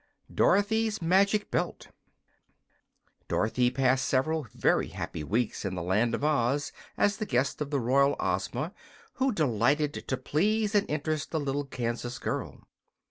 21. Dorothy's Magic Belt Dorothy passed several very happy weeks in the Land of Oz as the guest of the royal Ozma, who delighted to please and interest the little Kansas girl.